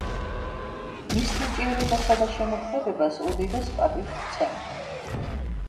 მის ნიჭიერებასა და შემოქმედებას უდიდეს პატივს ვცემ.